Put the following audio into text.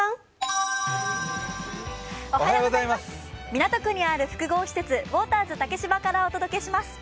港区にある複合施設、ウォーターズ竹芝からお届けします。